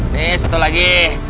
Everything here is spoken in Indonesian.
nih satu lagi